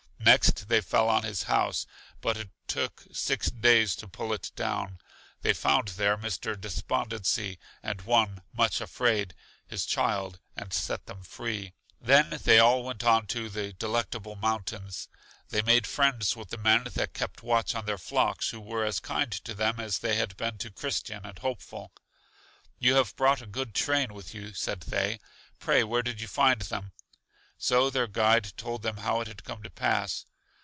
Next they fell on his house, but it took six days to pull it down. They found there Mr. Despondency and one Much afraid, his child, and set them free. Then they all went onto The Delectable Mountains. They made friends with the men that kept watch on their flocks, who were as kind to them as they had been to Christian and Hopeful. You have brought a good train with you, said they. Pray, where did you find them? So their guide told them how it had come to pass.